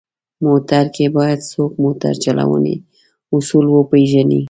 موټر کې باید څوک موټر چلونې اصول وپېژني.